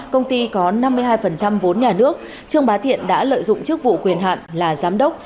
công ty có năm mươi hai vốn nhà nước trương bá thiện đã lợi dụng chức vụ quyền hạn là giám đốc